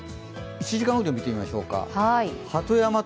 １時間雨量を見てみましょうか。